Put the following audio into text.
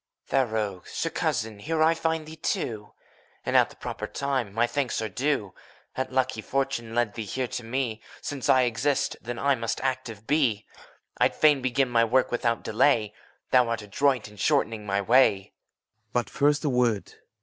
(To Mephistopheles.) Thou rogue. Sir Cousin! here I find thee, too? And at the proper time ! My thanks are due : A lucky fortune led thee here to me ; Since I exist, then I must active be. I'd fain begin my work without delay : Thou art adroit in shortening my way. WAGNER. But first, a word